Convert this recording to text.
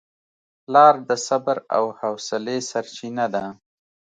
پلار د صبر او حوصلې سرچینه ده.